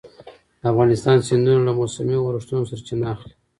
د افغانستان سیندونه له موسمي اورښتونو سرچینه اخلي.